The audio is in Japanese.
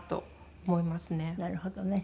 なるほどね。